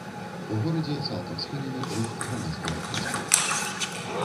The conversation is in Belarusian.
У горадзе цалкам спынены рух грамадскага транспарту.